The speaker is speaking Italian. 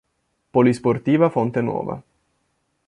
Polisportiva Fonte Nuova.